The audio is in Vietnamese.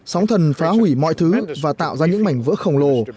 sóng thần phá hủy mọi thứ và tạo ra những mảnh vỡ khổng lồ